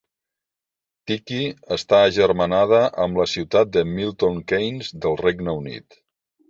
Tychy està agermanada amb la ciutat de Milton Keynes del Regne Unit.